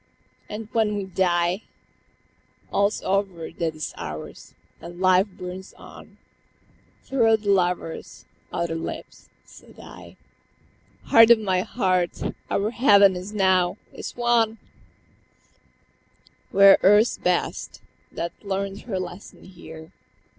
..." "And when we die All's over that is ours; and life burns on Through other lovers, other lips," said I, "Heart of my heart, our heaven is now, is won!" "We are Earth's best, that learnt her lesson here.